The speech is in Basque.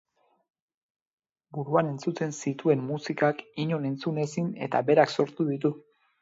Buruan entzuten zituen musikak inon entzun ezin eta berak sortu ditu.